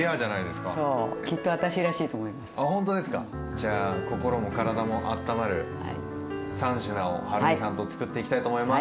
じゃあ心も体もあったまる３品をはるみさんとつくっていきたいと思います。